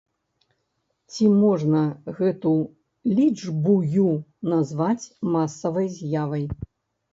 Ці можна гэту лічбую назваць масавай з'явай?